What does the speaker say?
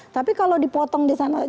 tapi kalau dipotong disana